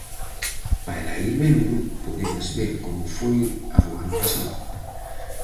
Para ir vendo, podedes ver como foi a do ano pasado: